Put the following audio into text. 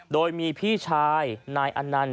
โดยมีพี่ชายนายอันนันต์